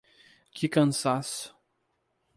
Que cansaço!